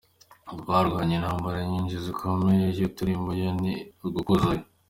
Twarwanye intambara nyinshi zikomeye, iyo turimo yo ni ugukozaho.